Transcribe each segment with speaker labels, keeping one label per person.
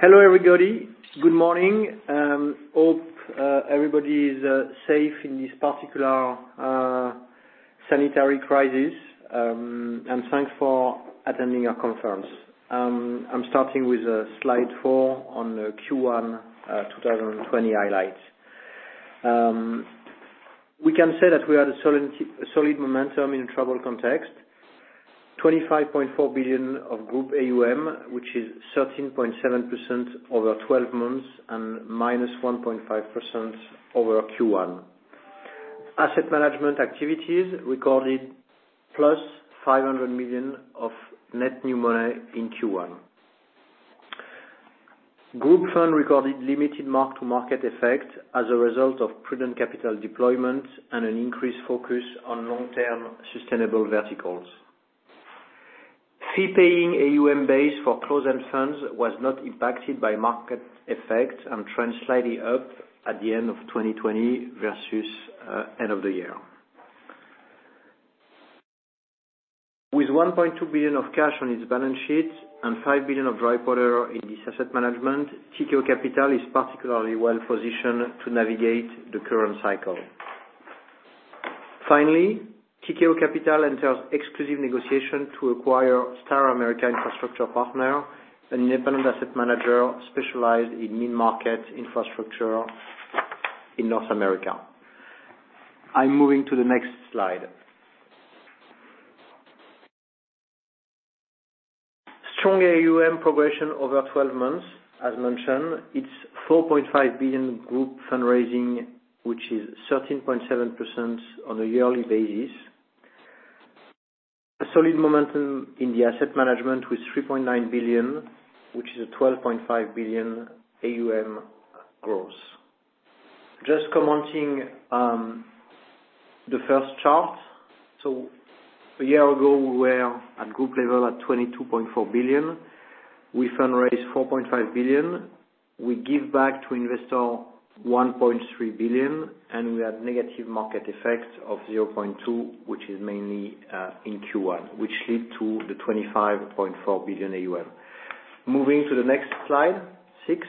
Speaker 1: Hello, everybody. Good morning. Hope everybody is safe in this particular sanitary crisis. Thanks for attending our conference. I'm starting with slide four on the Q1 2020 highlights. We can say that we had a solid momentum in a troubled context. 25.4 billion of group AUM, which is 13.7% over 12 months and -1.5% over Q1. Asset management activities recorded plus 500 million of net new money in Q1. Group fund recorded limited mark-to-market effect as a result of prudent capital deployment and an increased focus on long-term sustainable verticals. Fee-paying AUM base for closed-end funds was not impacted by market effects, trend slightly up at the end of 2020 versus end of the year. With 1.2 billion of cash on its balance sheet and 5 billion of dry powder in this asset management, Tikehau Capital is particularly well-positioned to navigate the current cycle. Finally, Tikehau Capital enters exclusive negotiation to acquire Star America Infrastructure Partners, an independent asset manager specialized in mid-market infrastructure in North America. I'm moving to the next slide. Strong AUM progression over 12 months. As mentioned, it's 4.5 billion group fundraising, which is 13.7% on a yearly basis. A solid momentum in the asset management with 3.9 billion, which is a 12.5 billion AUM growth. Just commenting the first chart. A year ago, we were at group level at 22.4 billion. We fundraised 4.5 billion. We give back to investor 1.3 billion, we had negative market effect of 0.2, which is mainly in Q1, which lead to the 25.4 billion AUM. Moving to the next slide, six.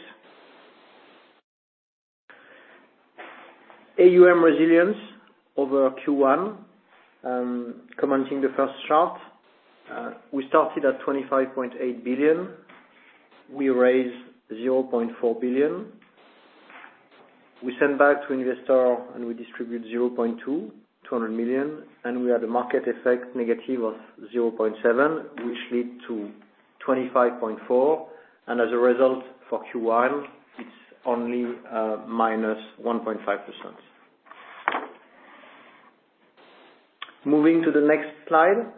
Speaker 1: AUM resilience over Q1. Commenting the first chart, we started at 25.8 billion. We raised 0.4 billion. We sent back to investor, we distribute 0.2 billion, 200 million, we had a market effect negative of 0.7 billion, which led to 25.4 billion. As a result for Q1, it's only -1.5%. Moving to the next slide,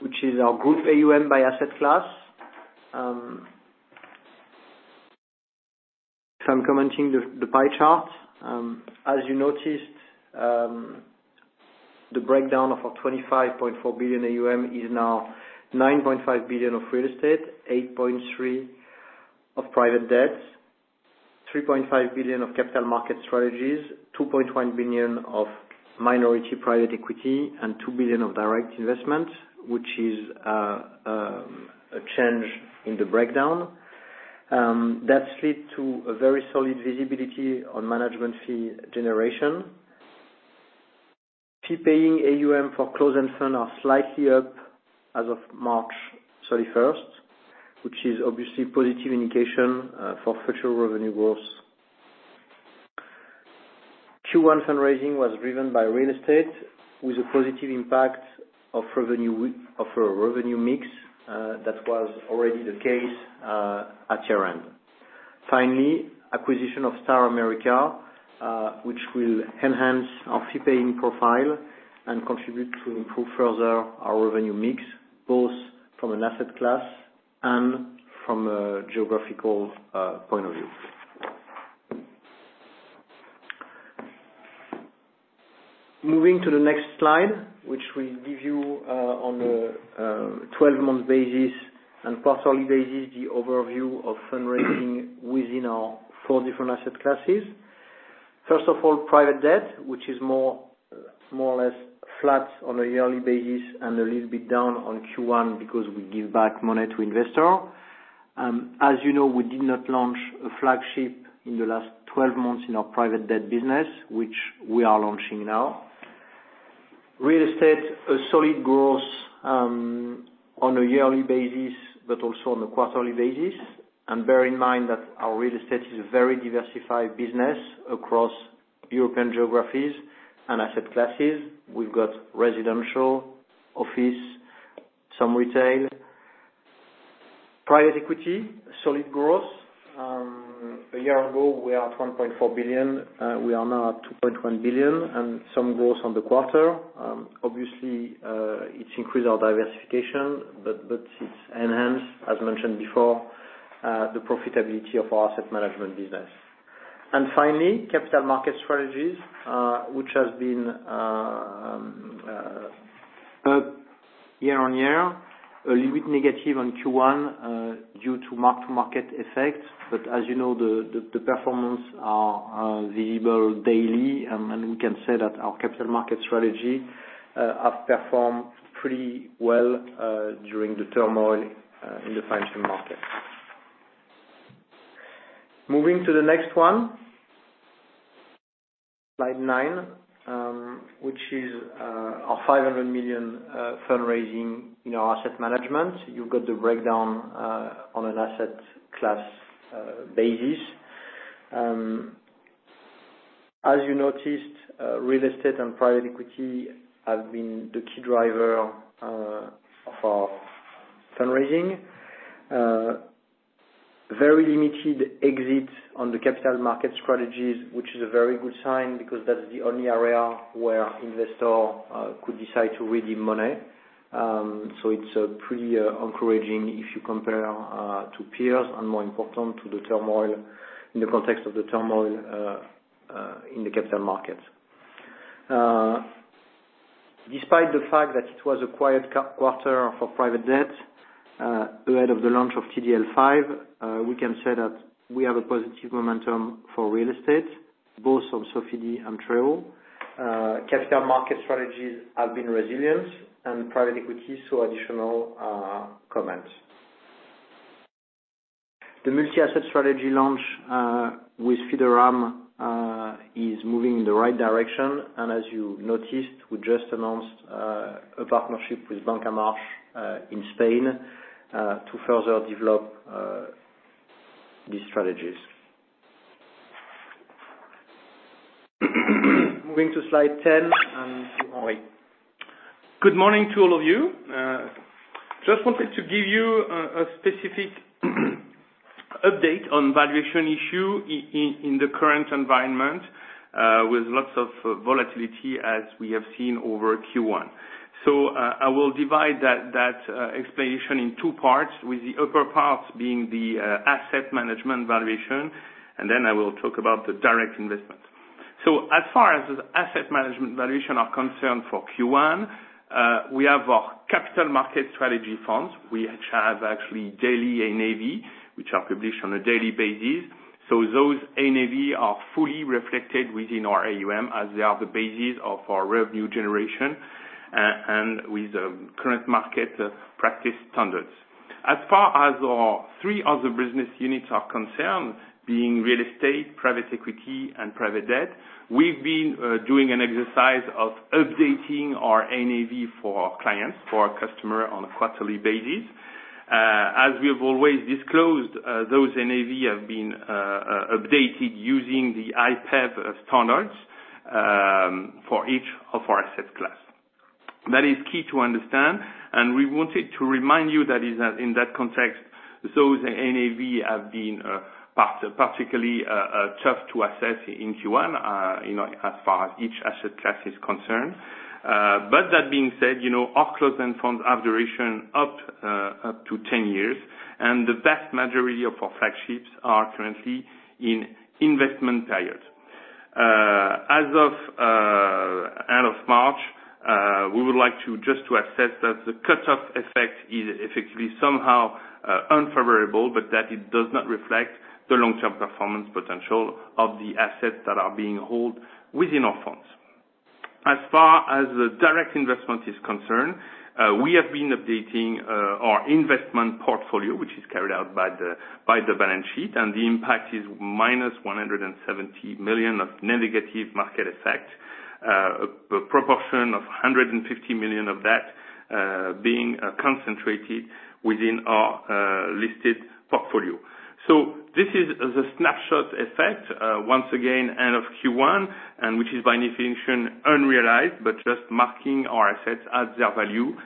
Speaker 1: which is our group AUM by asset class. I'm commenting the pie chart. As you noticed, the breakdown of our 25.4 billion AUM is now 9.5 billion of real estate, 8.3 billion of private debt, 3.5 billion of capital market strategies, 2.1 billion of minority private equity and 2 billion of direct investment, which is a change in the breakdown. That led to a very solid visibility on management fee generation. Fee-paying AUM for closed-end fund are slightly up as of March 31st, which is obviously positive indication for future revenue growth. Q1 fundraising was driven by real estate with a positive impact of revenue mix. That was already the case at year-end. Finally, acquisition of Star America, which will enhance our fee-paying profile and contribute to improve further our revenue mix, both from an asset class and from a geographical point of view. Moving to the next slide, which will give you on a 12-month basis and quarterly basis, the overview of fundraising within our four different asset classes. First of all, private debt, which is more or less flat on a yearly basis and a little bit down on Q1 because we give back money to investor. As you know, we did not launch a flagship in the last 12 months in our private debt business, which we are launching now. Real estate, a solid growth on a yearly basis, but also on a quarterly basis. Bear in mind that our real estate is a very diversified business across European geographies and asset classes. We've got residential, office, some retail. Private equity, solid growth. A year ago we are at 1.4 billion. We are now at 2.1 billion and some growth on the quarter. Obviously, it's increased our diversification, but it's enhanced, as mentioned before, the profitability of our asset management business. Finally, capital market strategies, which has been up year-on-year, a little bit negative on Q1 due to mark-to-market effects, but as you know, the performance are visible daily. We can say that our capital market strategy have performed pretty well during the turmoil in the financial market. Moving to the next one, slide nine, which is our 500 million fundraising in our asset management. You've got the breakdown on an asset class basis. As you noticed, real estate and private equity have been the key driver of our fundraising. Very limited exit on the capital market strategies, which is a very good sign, because that's the only area where investor could decide to redeem money. It's pretty encouraging if you compare to peers and more important, in the context of the turmoil in the capital markets. Despite the fact that it was a quiet quarter for private debt, ahead of the launch of TDL5, we can say that we have a positive momentum for real estate, both on Sofidy and Treo. Capital market strategies have been resilient, and private equity, so additional comments. The multi-asset strategy launch, with Fideuram, is moving in the right direction. As you noticed, we just announced a partnership with Banca March in Spain, to further develop these strategies. Moving to slide 10, and Henri.
Speaker 2: Good morning to all of you. Just wanted to give you a specific update on valuation issue in the current environment, with lots of volatility as we have seen over Q1. I will divide that explanation in two parts, with the upper part being the asset management valuation, and then I will talk about the direct investment. As far as asset management valuation are concerned for Q1, we have our capital market strategy funds. We have actually daily NAV, which are published on a daily basis. Those NAV are fully reflected within our AUM, as they are the basis of our revenue generation, and with the current market practice standards. As far as our three other business units are concerned, being real estate, private equity, and private debt, we've been doing an exercise of updating our NAV for our clients, for our customer, on a quarterly basis. As we have always disclosed, those NAV have been updated using the IPEV standards, for each of our asset class. That is key to understand. We wanted to remind you that in that context, those NAV have been particularly tough to assess in Q1, as far as each asset class is concerned. That being said, our closed-end funds have duration up to 10 years. The vast majority of our flagships are currently in investment period. As of end of March, we would like just to assess that the cutoff effect is effectively somehow unfavorable, but that it does not reflect the long-term performance potential of the assets that are being held within our funds. As far as the direct investment is concerned, we have been updating our investment portfolio, which is carried out by the balance sheet, and the impact is minus 170 million of negative market effect. A proportion of 150 million of that being concentrated within our listed portfolio. This is the snapshot effect, once again, end of Q1, which is by definition unrealized, but just marking our assets at their value.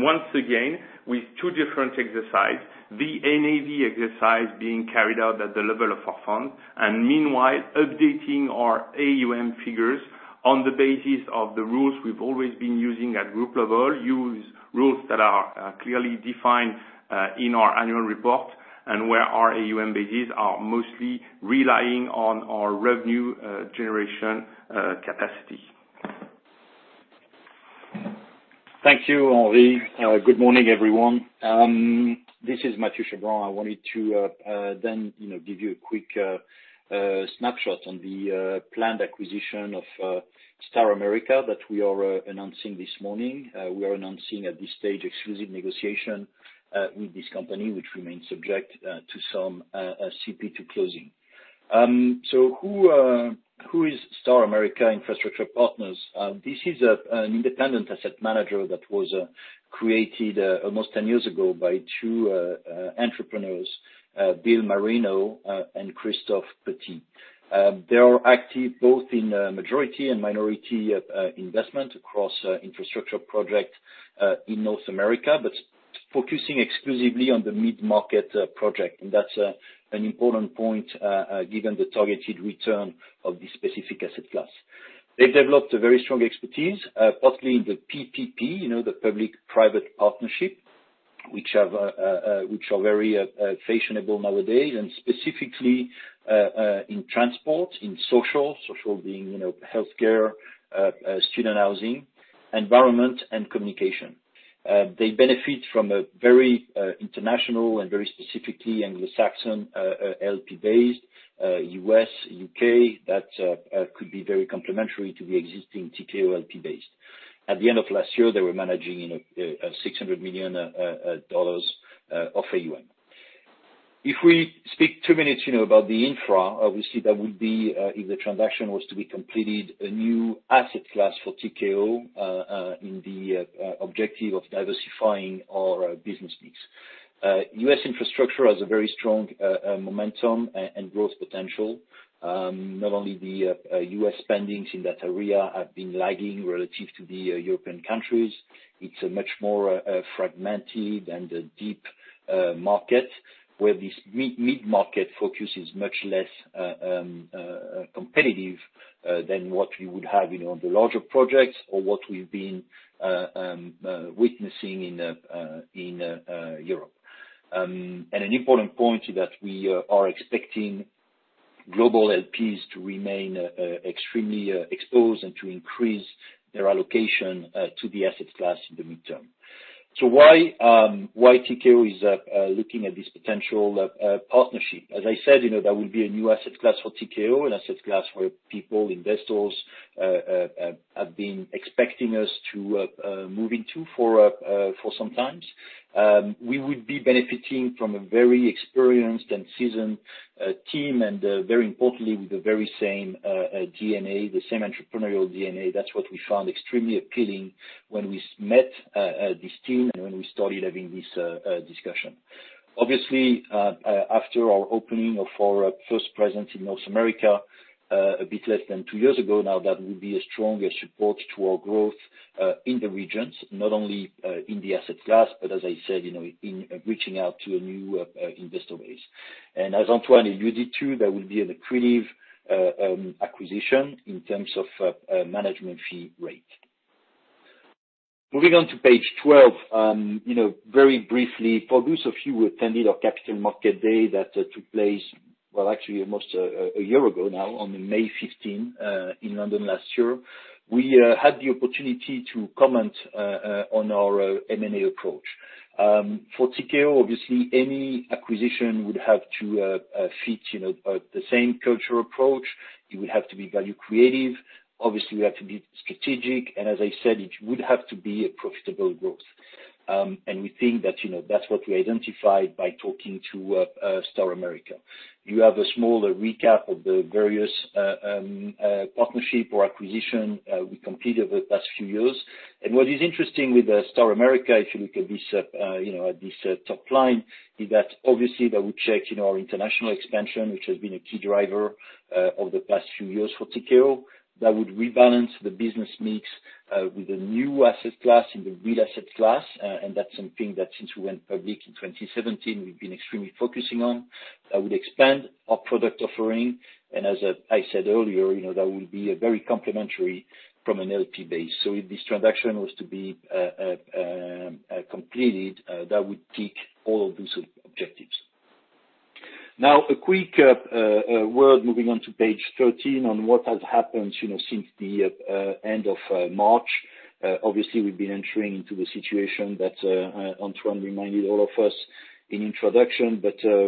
Speaker 2: Once again, with two different exercises, the NAV exercise being carried out at the level of our fund, meanwhile, updating our AUM figures on the basis of the rules we've always been using at group level, use rules that are clearly defined in our annual report, where our AUM bases are mostly relying on our revenue generation capacity.
Speaker 3: Thank you, Henri. Good morning, everyone. This is Mathieu Chabran. I wanted to give you a quick snapshot on the planned acquisition of Star America that we are announcing this morning. We are announcing at this stage exclusive negotiation with this company, which remains subject to some CP to closing. Who is Star America Infrastructure Partners? This is an independent asset manager that was created almost 10 years ago by two entrepreneurs, Bill Marino and Christophe Petit. They are active both in majority and minority investment across infrastructure project in North America, but focusing exclusively on the mid-market project. That's an important point, given the targeted return of this specific asset class. They've developed a very strong expertise, partly in the PPP, the public-private partnership, which are very fashionable nowadays, and specifically, in transport, in social being healthcare, student housing, environment and communication. They benefit from a very international and very specifically Anglo-Saxon LP base, U.S., U.K., that could be very complementary to the existing Tikehau LP base. At the end of last year, they were managing $600 million of AUM. If we speak two minutes about the infra, obviously that would be, if the transaction was to be completed, a new asset class for Tikehau in the objective of diversifying our business mix. U.S. infrastructure has a very strong momentum and growth potential. Not only the U.S. spendings in that area have been lagging relative to the European countries, it's a much more fragmented and a deep market, where this mid-market focus is much less competitive than what we would have in all the larger projects or what we've been witnessing in Europe. An important point is that we are expecting global LPs to remain extremely exposed and to increase their allocation to the asset class in the midterm. Why Tikehau is looking at this potential partnership? As I said, that would be a new asset class for Tikehau, an asset class where people, investors, have been expecting us to move into for some times. We would be benefiting from a very experienced and seasoned team, and very importantly, with the very same DNA, the same entrepreneurial DNA. That's what we found extremely appealing when we met this team and when we started having this discussion. Obviously, after our opening of our first presence in North America, a bit less than two years ago now, that would be a stronger support to our growth, in the regions, not only in the asset class, but as I said, in reaching out to a new investor base. As Antoine alluded to, that would be an accretive acquisition in terms of management fee rate. Moving on to page 12. Very briefly, for those of you who attended our Capital Market Day that took place, well actually almost a year ago now, on May 15, in London last year. We had the opportunity to comment on our M&A approach. For Tikehau, obviously, any acquisition would have to fit the same cultural approach. It would have to be value creative. Obviously, we have to be strategic, as I said, it would have to be a profitable growth. We think that's what we identified by talking to Star America. You have a smaller recap of the various partnership or acquisition we completed over the past few years. What is interesting with Star America, if you look at this top line, is that obviously that would check our international expansion, which has been a key driver over the past few years for Tikehau. That would rebalance the business mix with a new asset class in the real asset class, and that's something that since we went public in 2017, we've been extremely focusing on. That would expand our product offering. As I said earlier, that would be very complementary from an LP base. If this transaction was to be completed, that would tick all of these objectives. Now, a quick word, moving on to page 13, on what has happened since the end of March. Obviously, we've been entering into the situation that Antoine reminded all of us in introduction.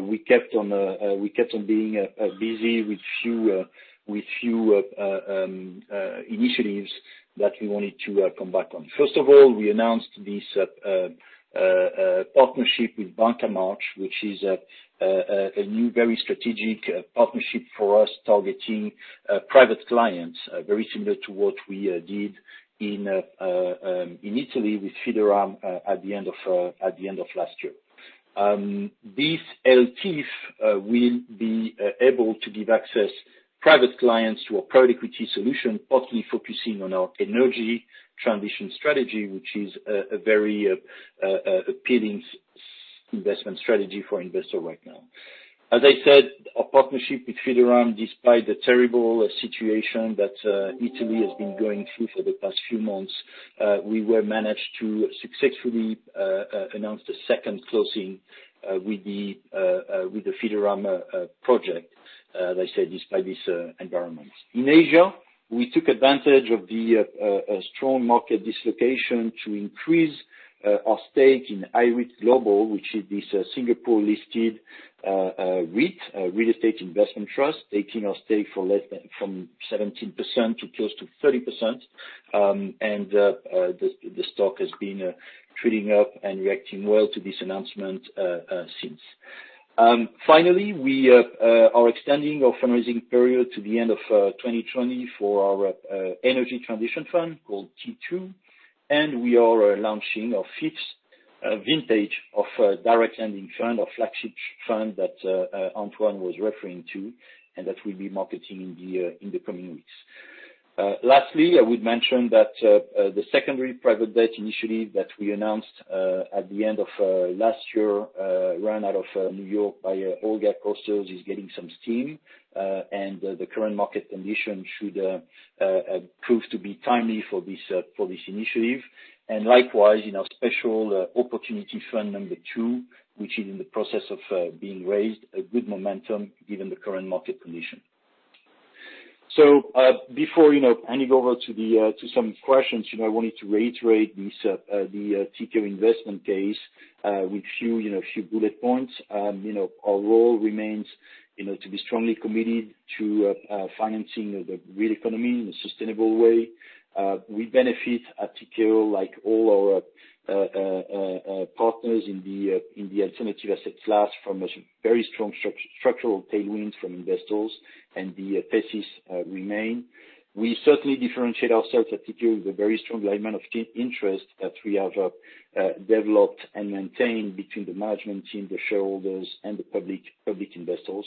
Speaker 3: We kept on being busy with few initiatives that we wanted to come back on. First of all, we announced this partnership with Banca March, which is a new very strategic partnership for us targeting private clients, very similar to what we did in Italy with Fideuram at the end of last year. This ELTIF will be able to give access private clients to a private equity solution, partly focusing on our energy transition strategy, which is a very appealing investment strategy for investor right now. As I said, our partnership with Fideuram, despite the terrible situation that Italy has been going through for the past few months, we well managed to successfully announce the second closing with the Fideuram project. As I said, despite this environment. In Asia, we took advantage of the strong market dislocation to increase our stake in IREIT Global, which is this Singapore-listed REIT, real estate investment trust, taking our stake from 17% to close to 30%. The stock has been trading up and reacting well to this announcement since. Finally, we are extending our fundraising period to the end of 2020 for our energy transition fund called T2, and we are launching our fifth vintage of direct lending fund, our flagship fund that Antoine was referring to, and that we'll be marketing in the coming weeks. Lastly, I would mention that the secondary private debt initiative that we announced at the end of last year run out of New York by Olga Kosters, is getting some steam. The current market condition should prove to be timely for this initiative. Likewise, in our special opportunity fund number two, which is in the process of being raised, a good momentum given the current market condition. Before handing over to some questions, I wanted to reiterate the Tikehau investment case with a few bullet points. Our role remains to be strongly committed to financing the real economy in a sustainable way. We benefit at Tikehau, like all our partners in the alternative assets class, from very strong structural tailwinds from investors, and the thesis remain. We certainly differentiate ourselves at Tikehau with a very strong alignment of interest that we have developed and maintained between the management team, the shareholders, and the public investors.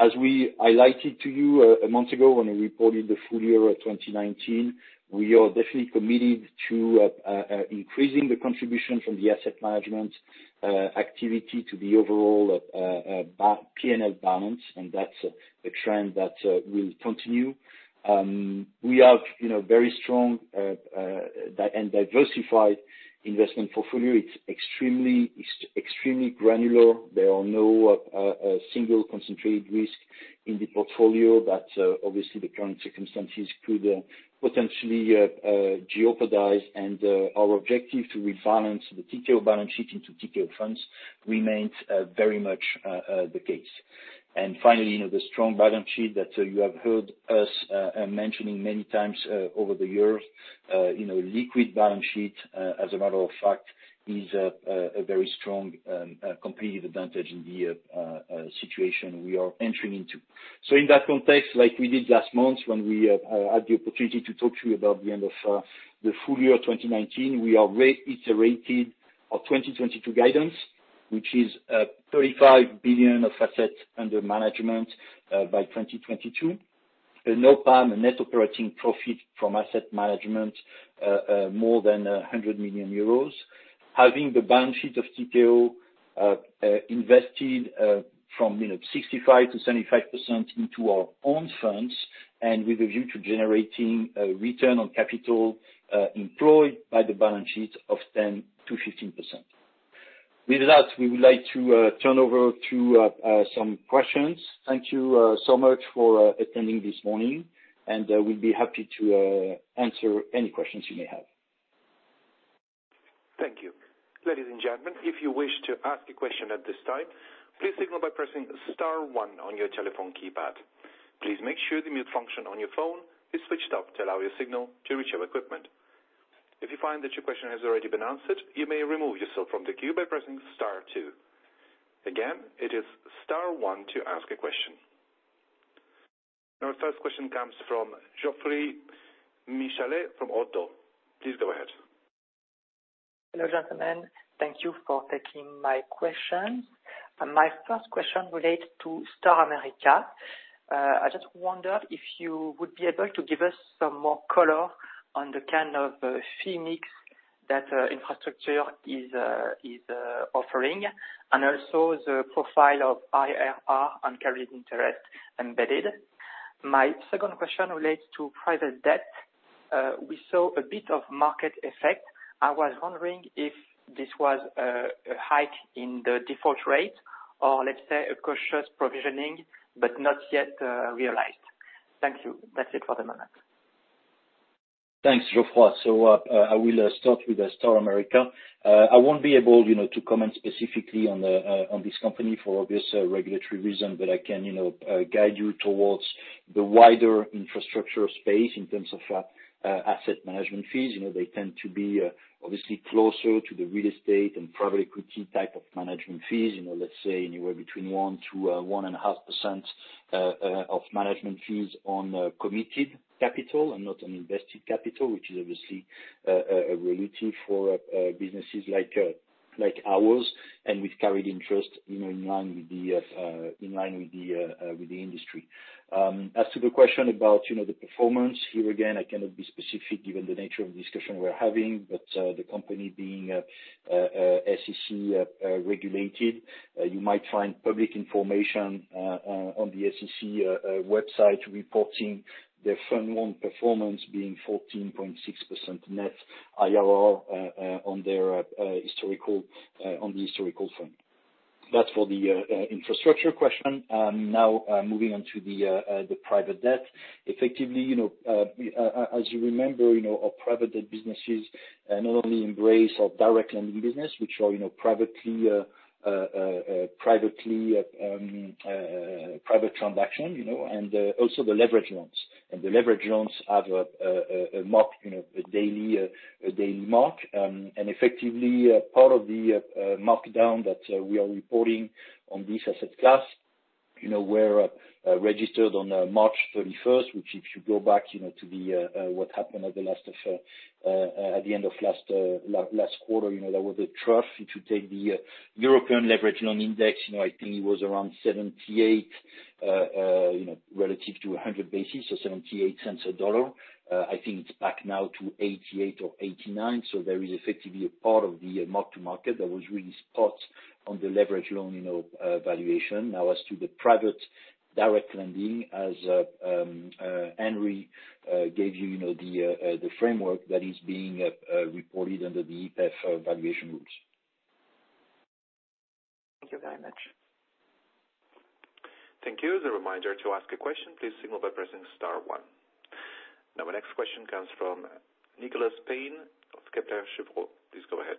Speaker 3: As we highlighted to you a month ago when we reported the full year of 2019, we are definitely committed to increasing the contribution from the asset management activity to the overall P&L balance. That's the trend that will continue. We have very strong and diversified investment portfolio. It's extremely granular. There are no single concentrated risk in the portfolio that, obviously, the current circumstances could potentially jeopardize. Our objective to rebalance the Tikehau balance sheet into Tikehau funds remains very much the case. Finally, the strong balance sheet that you have heard us mentioning many times over the years. Liquid balance sheet, as a matter of fact, is a very strong competitive advantage in the situation we are entering into. In that context, like we did last month when we had the opportunity to talk to you about the end of the full year 2019, we are reiterating our 2022 guidance, which is 35 billion of assets under management by 2022. A NOPAM, a net operating profit from asset management, more than 100 million euros. Having the balance sheet of Tikehau invested from 65%-75% into our own funds, and with a view to generating a return on capital employed by the balance sheet of 10%-15%. With that, we would like to turn over to some questions. Thank you so much for attending this morning, and we'll be happy to answer any questions you may have.
Speaker 4: Thank you. Ladies and gentlemen, if you wish to ask a question at this time, please signal by pressing star one on your telephone keypad. Please make sure the mute function on your phone is switched off to allow your signal to reach our equipment. If you find that your question has already been answered, you may remove yourself from the queue by pressing star two. Again, it is star one to ask a question. Our first question comes from Geoffroy Michelet from ODDO BHF. Please go ahead.
Speaker 5: Hello, gentlemen. Thank you for taking my question. My first question relates to Star America. I just wondered if you would be able to give us some more color on the kind of fee mix that infrastructure is offering, and also the profile of IRR on carried interest embedded. My second question relates to private debt. We saw a bit of market effect. I was wondering if this was a hike in the default rate or, let's say, a cautious provisioning, but not yet realized. Thank you. That's it for the moment.
Speaker 3: Thanks, Geoffroy. I will start with Star America. I won't be able to comment specifically on this company for obvious regulatory reason, but I can guide you towards the wider infrastructure space in terms of asset management fees. They tend to be obviously closer to the real estate and private equity type of management fees, let's say anywhere between 1% to 1.5% of management fees on committed capital and not on invested capital, which is obviously a reality for businesses like ours, and with carried interest in line with the industry. As to the question about the performance, here again, I cannot be specific given the nature of the discussion we're having. The company being SEC-regulated, you might find public information on the SEC website reporting their Fund One performance being 14.6% net IRR on the historical fund. That's for the infrastructure question. Moving on to the private debt. As you remember, our private debt businesses not only embrace our direct lending business, which are private transaction, and also the leveraged loans. The leveraged loans have a daily mark. Part of the markdown that we are reporting on this asset class were registered on March 31st. If you go back to what happened at the end of last quarter, that was a trough. If you take the European leveraged loan index, I think it was around 78 relative to 100 basis, so $0.78. I think it's back now to 88 or 89. There is a part of the mark-to-market that was really spot on the leveraged loan valuation. As to the private direct lending, as Henri gave you the framework that is being reported under the IPEV valuation rules.
Speaker 5: Thank you very much.
Speaker 4: Thank you. As a reminder, to ask a question, please signal by pressing star one. Our next question comes from Nicolas Payen of Kepler Cheuvreux. Please go ahead.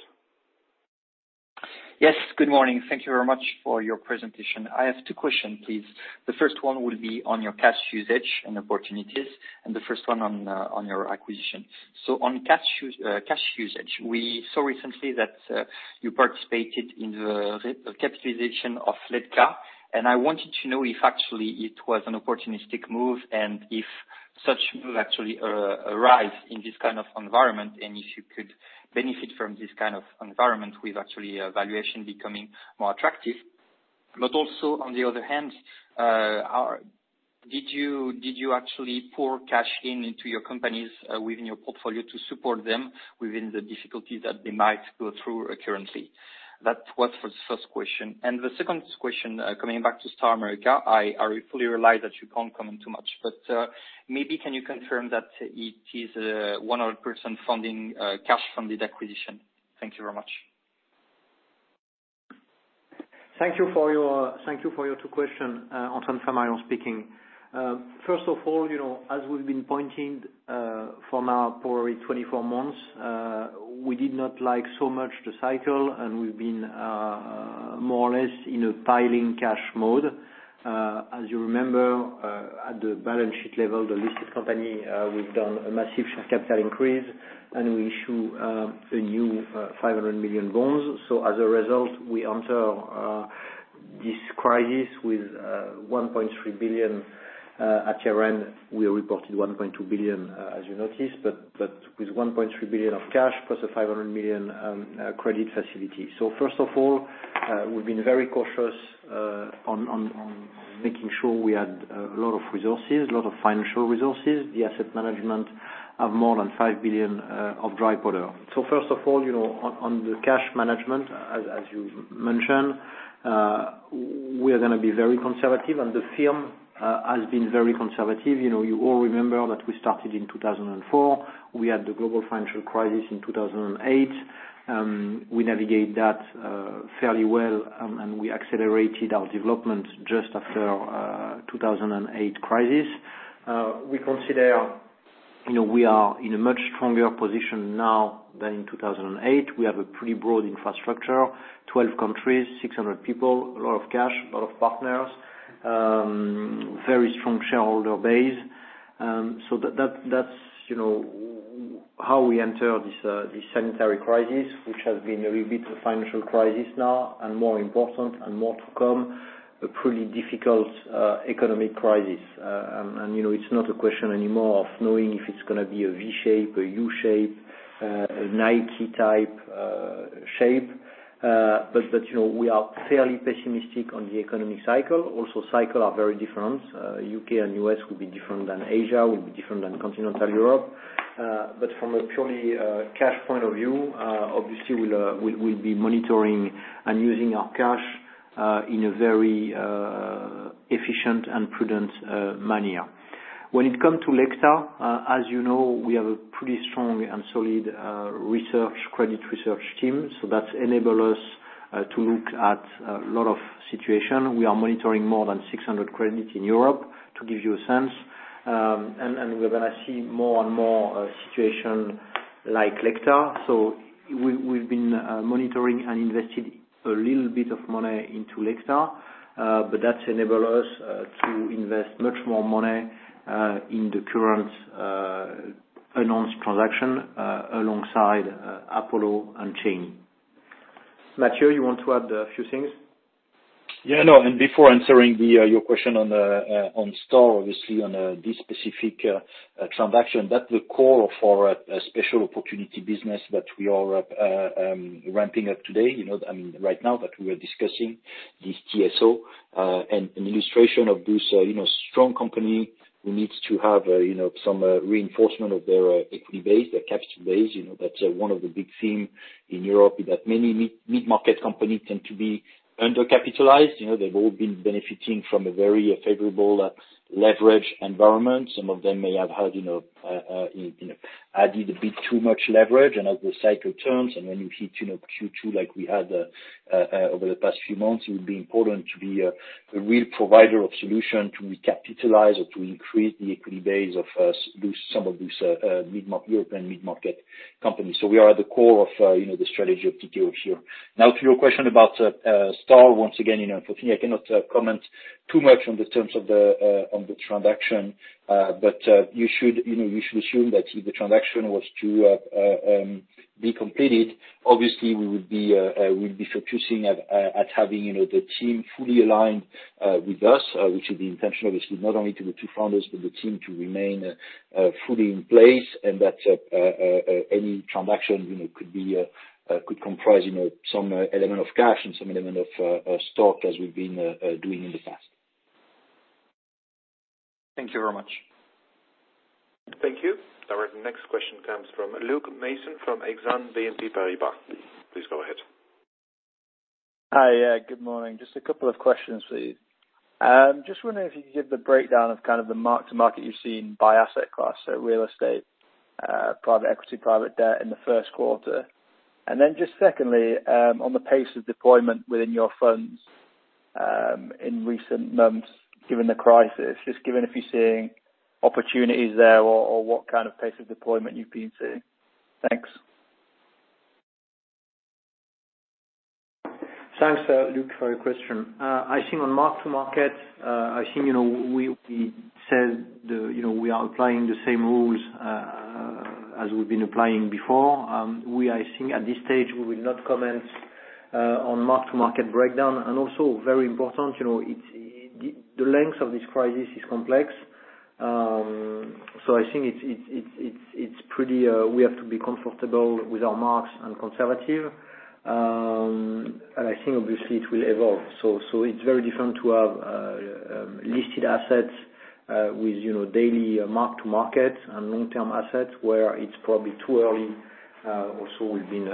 Speaker 6: Yes, good morning. Thank you very much for your presentation. I have two questions, please. The first one will be on your cash usage and opportunities, and the first one on your acquisition. On cash usage, we saw recently that you participated in the capitalization of Lecta, and I wanted to know if actually it was an opportunistic move, and if such move actually arise in this kind of environment, and if you could benefit from this kind of environment with actually a valuation becoming more attractive. Also, on the other hand, did you actually pour cash into your companies within your portfolio to support them within the difficulties that they might go through currently? That was for the first question. The second question, coming back to Star America, I fully realize that you can't comment too much, but maybe can you confirm that it is 100% funding cash from the acquisition? Thank you very much.
Speaker 1: Thank you for your two questions. Antoine Flamarion speaking. First of all, as we've been pointing, for now, probably 24 months, we did not like so much the cycle, and we've been more or less in a piling cash mode. As you remember, at the balance sheet level, the listed company, we've done a massive share capital increase, and we issue a new 500 million bonds. As a result, we enter this crisis with 1.3 billion at year-end. We reported 1.2 billion, as you noticed, but with 1.3 billion of cash plus a 500 million credit facility. First of all, we've been very cautious on making sure we had a lot of resources, a lot of financial resources. The asset management of more than 5 billion of dry powder. First of all, on the cash management, as you mentioned, we are going to be very conservative, and the firm has been very conservative. You all remember that we started in 2004. We had the global financial crisis in 2008. We navigate that fairly well, and we accelerated our development just after 2008 crisis. We consider we are in a much stronger position now than in 2008. We have a pretty broad infrastructure, 12 countries, 600 people, a lot of cash, a lot of partners, very strong shareholder base. That's how we enter this sanitary crisis, which has been a little bit of financial crisis now, and more important and more to come, a pretty difficult economic crisis. It's not a question anymore of knowing if it's going to be a V shape, a U shape, a Nike type shape. We are fairly pessimistic on the economic cycle. Also, cycle are very different. U.K. and U.S. will be different than Asia, will be different than Continental Europe. From a purely cash point of view, obviously, we'll be monitoring and using our cash, in a very efficient and prudent manner. When it come to Lecta, as you know, we have a pretty strong and solid credit research team, so that enable us to look at a lot of situation. We are monitoring more than 600 credit in Europe, to give you a sense. We're going to see more and more situation like Lecta. We've been monitoring and invested a little bit of money into Lecta, but that enable us to invest much more money in the current announced transaction, alongside Apollo and Cheyne. Mathieu, you want to add a few things?
Speaker 3: Yeah, no. Before answering your question on Star, obviously on this specific transaction, that's the core for a special opportunity business that we are ramping up today. I mean, right now that we are discussing this TSO, an illustration of this strong company who needs to have some reinforcement of their equity base, their capital base. That's one of the big theme in Europe, is that many mid-market companies tend to be under-capitalized. They've all been benefiting from a very favorable leverage environment. Some of them may have had added a bit too much leverage and as the cycle turns and when you hit Q2 like we had over the past few months, it would be important to be a real provider of solution to recapitalize or to increase the equity base of some of these European mid-market companies. We are at the core of the strategy of TSO here. To your question about Star, once again, unfortunately, I cannot comment too much on the terms of the transaction. You should assume that if the transaction was to be completed, obviously we'll be focusing at having the team fully aligned with us, which is the intention, obviously, not only to the two founders, but the team to remain fully in place and that any transaction could comprise some element of cash and some element of stock as we've been doing in the past.
Speaker 6: Thank you very much.
Speaker 4: Thank you. Our next question comes from Luke Mason from Exane BNP Paribas. Please go ahead.
Speaker 7: Hi. Good morning. Just a couple of questions, please. Just wondering if you could give the breakdown of kind of the mark-to-market you've seen by asset class, so real estate private equity, private debt in the first quarter. Just secondly, on the pace of deployment within your funds in recent months, given the crisis, just given if you're seeing opportunities there, or what kind of pace of deployment you've been seeing. Thanks.
Speaker 1: Thanks, Luke, for your question. I think on mark-to-market, we said we are applying the same rules as we've been applying before. I think at this stage, we will not comment on mark-to-market breakdown, and also very important, the length of this crisis is complex. I think we have to be comfortable with our marks and conservative. I think obviously it will evolve. It's very different to have listed assets with daily mark-to-market and long-term assets where it's probably too early. Also, we've been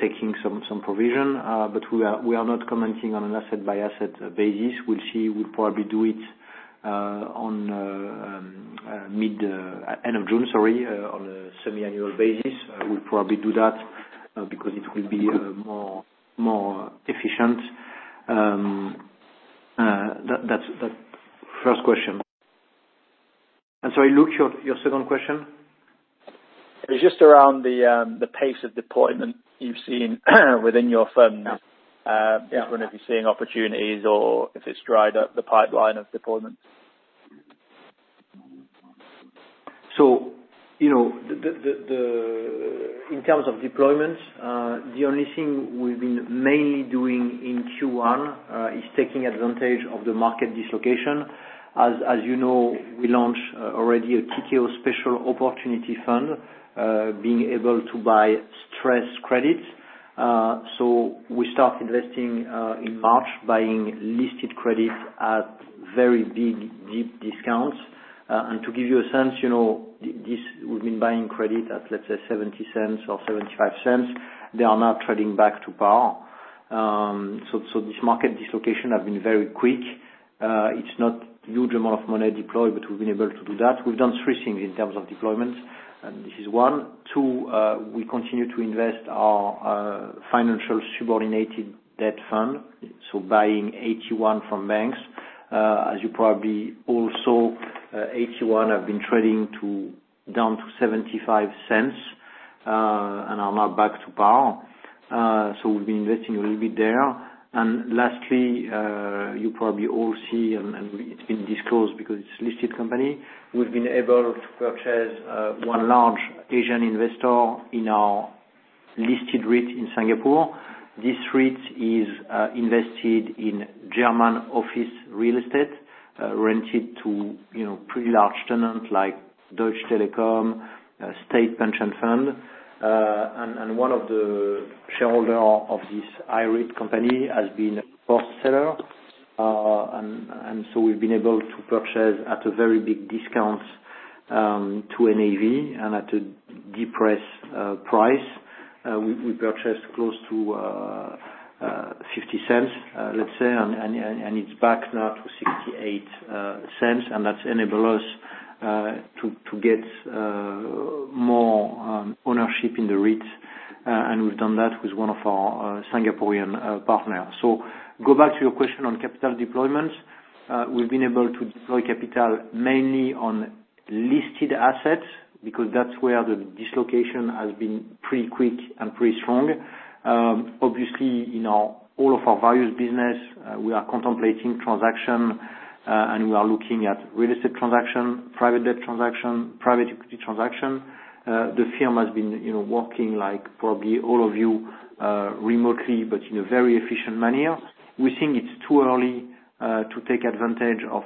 Speaker 1: taking some provision, but we are not commenting on an asset-by-asset basis. We'll see. We'll probably do it end of June, on a semi-annual basis. We'll probably do that because it will be more efficient. That first question. Sorry, Luke, your second question?
Speaker 7: It's just around the pace of deployment you've seen within your firm. I don't know if you're seeing opportunities or if it's dried up the pipeline of deployment.
Speaker 1: In terms of deployments, the only thing we've been mainly doing in Q1 is taking advantage of the market dislocation. As you know, we launched already a Tikehau Special Opportunities fund, being able to buy stressed credits. We start investing in March, buying listed credits at very big, deep discounts. To give you a sense, we've been buying credit at, let's say 0.70 or 0.75. They are now trading back to par. This market dislocation has been very quick. It's not a huge amount of money deployed, but we've been able to do that. We've done three things in terms of deployments, and this is one. Two, we continue to invest our financial subordinated debt fund. Buying AT1 from banks. As you probably also, AT1 have been trading down to 0.75, and are now back to par. We've been investing a little bit there. Lastly, you probably all see, and it's been disclosed because it's a listed company. We've been able to purchase one large Asian investor in our listed REIT in Singapore. This REIT is invested in German office real estate, rented to pretty large tenants like Deutsche Telekom, State Pension Fund. One of the shareholders of this IREIT company has been a core seller. We've been able to purchase at a very big discount to NAV and at a depressed price. We purchased close to 0.50, let's say, and it's back now to 0.68. That's enabled us to get more ownership in the REITs. We've done that with one of our Singaporean partners. Go back to your question on capital deployment. We've been able to deploy capital mainly on listed assets because that's where the dislocation has been pretty quick and pretty strong. Obviously, in all of our various business, we are contemplating transaction, and we are looking at real estate transaction, private debt transaction, private equity transaction. The firm has been working like probably all of you, remotely, but in a very efficient manner. We think it's too early to take advantage of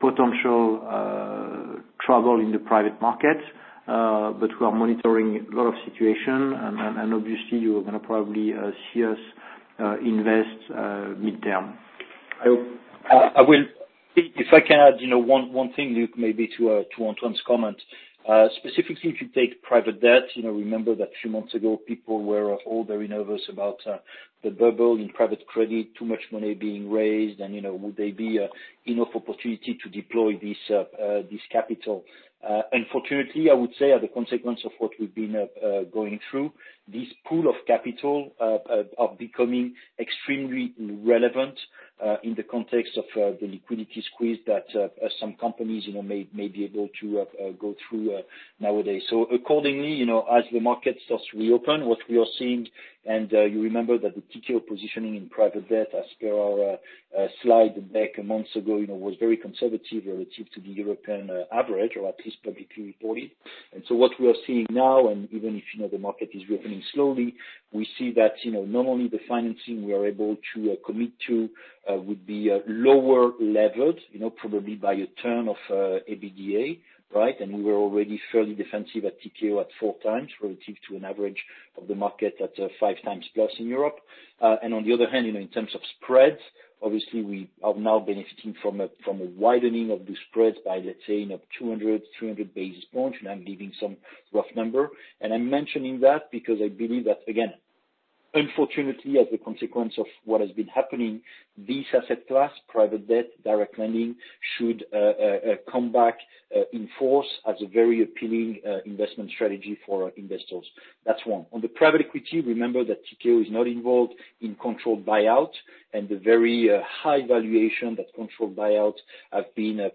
Speaker 1: potential trouble in the private market, but we are monitoring a lot of situation, and obviously you are going to probably see us invest mid-term.
Speaker 3: If I can add one thing, Luke, maybe to Antoine's comment. Specifically, if you take private debt, remember that a few months ago, people were all very nervous about the bubble in private credit, too much money being raised, and would there be enough opportunity to deploy this capital? Unfortunately, I would say as a consequence of what we've been going through, this pool of capital are becoming extremely relevant in the context of the liquidity squeeze that some companies may be able to go through nowadays. Accordingly, as the market starts to reopen, what we are seeing, and you remember that the Tikehau positioning in private debt as per our slide back months ago, was very conservative relative to the European average, or at least publicly reported. What we are seeing now, and even if the market is reopening slowly, we see that not only the financing we are able to commit to would be lower levered, probably by a turn of EBITDA, right. We were already fairly defensive at Tikehau at four times relative to an average of the market at five times plus in Europe. On the other hand, in terms of spreads, obviously we are now benefiting from a widening of the spreads by, let's say, 200, 300 basis points. I'm giving some rough number. I'm mentioning that because I believe that, unfortunately, as a consequence of what has been happening, this asset class, private debt, direct lending, should come back in force as a very appealing investment strategy for investors. That's one. On the private equity, remember that Tikehau is not involved in controlled buyout and the very high valuation that controlled buyouts have been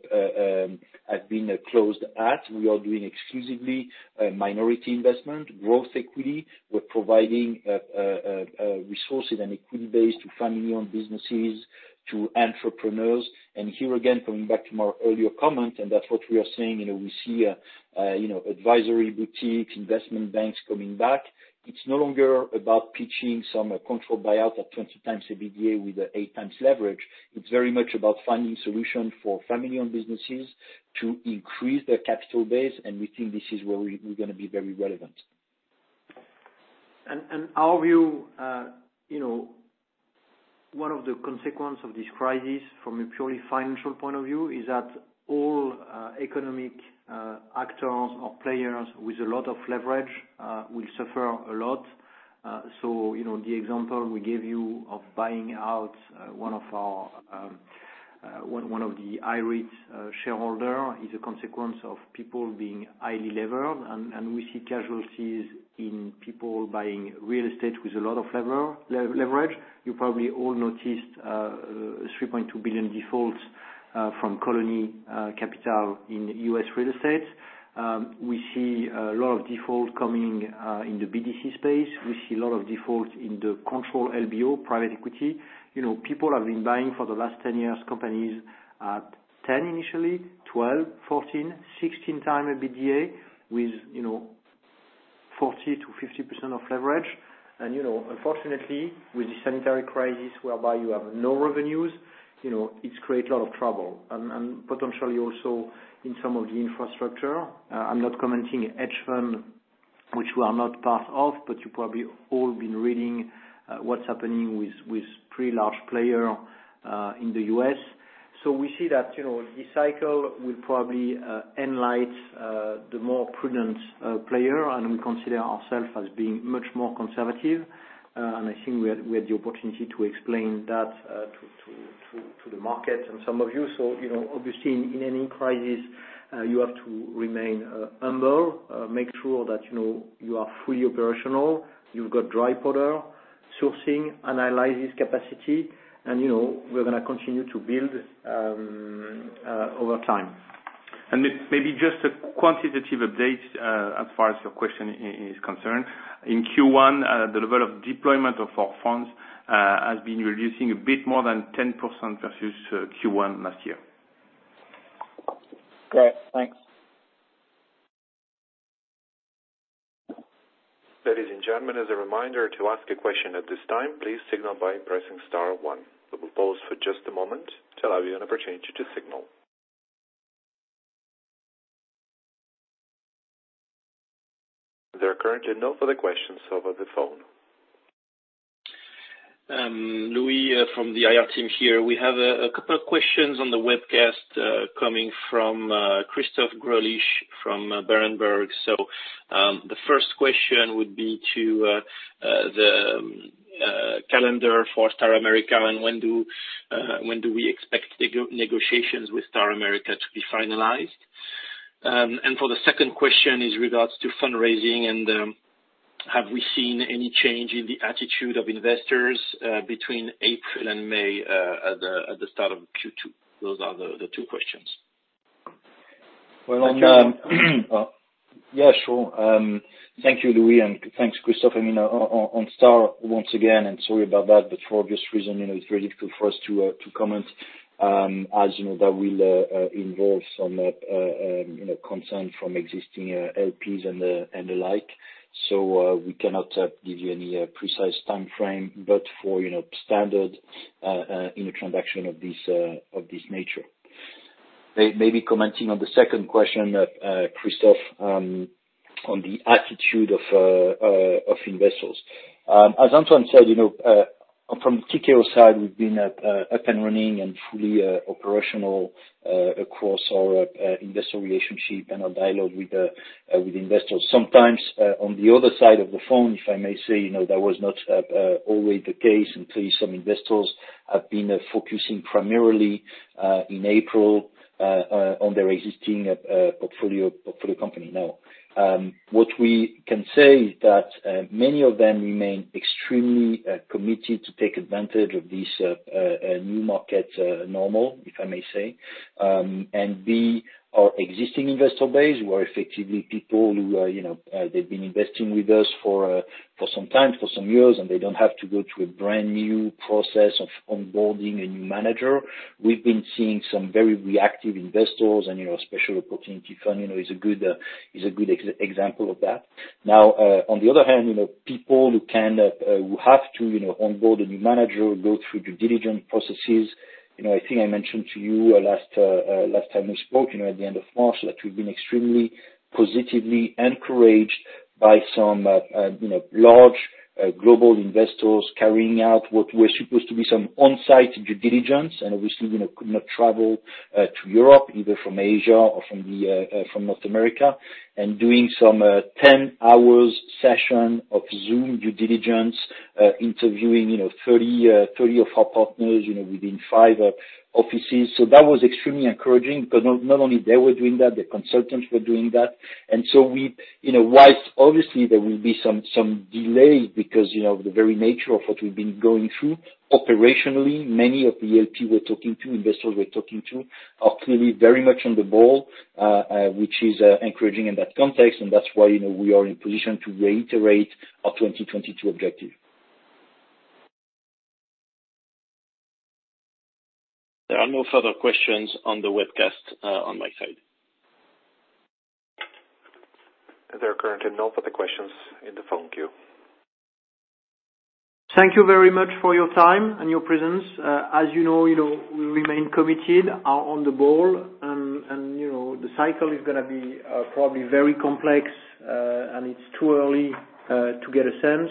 Speaker 3: closed at. We are doing exclusively minority investment, growth equity. We're providing resources and equity base to family-owned businesses, to entrepreneurs. Here again, coming back to my earlier comment, and that's what we are seeing, we see advisory boutiques, investment banks coming back. It's no longer about pitching some controlled buyout at 20 times EBITDA with 8 times leverage. It's very much about finding solution for family-owned businesses to increase their capital base, and we think this is where we're going to be very relevant.
Speaker 1: Our view, one of the consequences of this crisis from a purely financial point of view is that all economic actors or players with a lot of leverage will suffer a lot. The example we gave you of buying out one of the IREIT shareholder is a consequence of people being highly leveraged, and we see casualties in people buying real estate with a lot of leverage. You probably all noticed a $3.2 billion default from Colony Capital in U.S. real estate. We see a lot of default coming in the BDC space. We see a lot of default in the control LBO, private equity. People have been buying, for the last 10 years, companies at 10 initially, 12, 14, 16 times EBITDA with 40%-50% of leverage. Unfortunately, with the sanitary crisis whereby you have no revenues, it creates a lot of trouble. Potentially also in some of the infrastructure. I'm not commenting hedge fund, which we are not part of, but you probably all been reading what's happening with three large players in the U.S. We see that this cycle will probably enlighten the more prudent player, and we consider ourselves as being much more conservative. I think we had the opportunity to explain that to the market and some of you. Obviously, in any crisis, you have to remain humble, make sure that you are fully operational, you've got dry powder, sourcing, analysis capacity, and we're going to continue to build over time.
Speaker 3: Maybe just a quantitative update as far as your question is concerned. In Q1, the level of deployment of our funds has been reducing a bit more than 10% versus Q1 last year.
Speaker 7: Great. Thanks.
Speaker 4: Ladies and gentlemen, as a reminder, to ask a question at this time, please signal by pressing star one. We will pause for just a moment to allow you an opportunity to signal. There are currently no further questions over the phone.
Speaker 8: Louis from the IR team here. We have a couple of questions on the webcast coming from Christoph Greulich from Berenberg. The first question would be to the calendar for Star America, and when do we expect negotiations with Star America to be finalized? For the second question is regards to fundraising and have we seen any change in the attitude of investors between April and May at the start of Q2? Those are the two questions.
Speaker 3: Well.
Speaker 1: I can.
Speaker 3: Yeah, sure. Thank you, Louis, and thanks, Christoph. On Star, once again, and sorry about that, but for obvious reason, it's very difficult for us to comment as that will involve some concern from existing LPs and the like. We cannot give you any precise timeframe, but for standard in a transaction of this nature. Maybe commenting on the second question, Christoph, on the attitude of investors. As Antoine said, from Tikehau side, we've been up and running and fully operational across our investor relationship and our dialogue with investors. Sometimes, on the other side of the phone, if I may say, that was not always the case. Indeed, some investors have been focusing primarily in April, on their existing portfolio company. Now, what we can say is that many of them remain extremely committed to take advantage of this new market normal, if I may say. B, our existing investor base were effectively people who they've been investing with us for some time, for some years, and they don't have to go through a brand-new process of onboarding a new manager. We've been seeing some very reactive investors and Special Opportunity Fund is a good example of that. On the other hand, people who have to onboard a new manager, go through due diligence processes. I think I mentioned to you last time we spoke at the end of March, that we've been extremely positively encouraged by some large global investors carrying out what was supposed to be some on-site due diligence, and obviously could not travel to Europe, either from Asia or from North America, and doing some 10-hour session of Zoom due diligence, interviewing 30 of our partners within five offices. That was extremely encouraging, because not only they were doing that, the consultants were doing that. Whilst obviously there will be some delays because the very nature of what we've been going through, operationally, many of the LP we're talking to, investors we're talking to, are clearly very much on the ball, which is encouraging in that context, and that's why we are in position to reiterate our 2022 objective.
Speaker 8: There are no further questions on the webcast on my side.
Speaker 4: There are currently no further questions in the phone queue.
Speaker 3: Thank you very much for your time and your presence. As you know, we remain committed, are on the ball. The cycle is going to be probably very complex. It's too early to get a sense.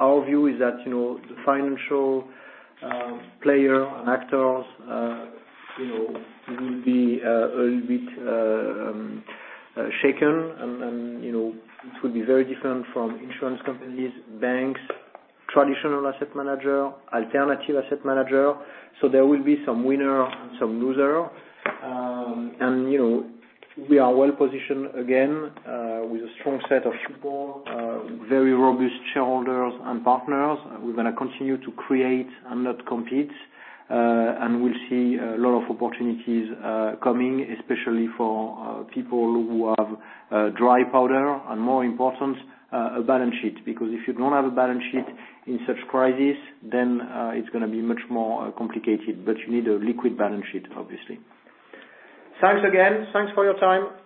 Speaker 3: Our view is that the financial player and actors will be a little bit shaken. It will be very different from insurance companies, banks, traditional asset manager, alternative asset manager. There will be some winner, some losers. We are well-positioned, again, with a strong set of people, very robust shareholders and partners. We're going to continue to create and not compete. We'll see a lot of opportunities coming, especially for people who have dry powder, and more important, a balance sheet. Because if you don't have a balance sheet in such crisis, then it's going to be much more complicated. You need a liquid balance sheet, obviously.
Speaker 4: Thanks again. Thanks for your time.